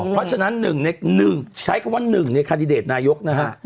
เพราะฉะนั้น๑ใน๑ใช้คำว่า๑ในคันดิเดตนายกนะฮะ